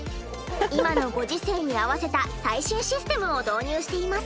今のご時世に合わせた最新システムを導入しています。